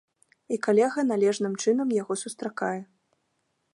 І калега належным чынам яго сустракае.